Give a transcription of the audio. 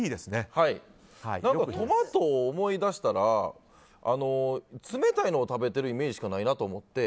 はい、何かトマトを思い出したら冷たいのを食べているイメージしかないなと思って。